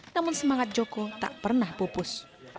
namun semangat joko tak pernah pupus